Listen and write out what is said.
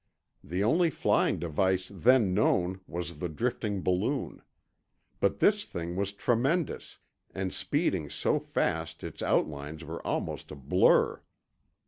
The only flying device then known was the drifting balloon. But this thing was tremendous, and speeding so fast its outlines were almost a blur.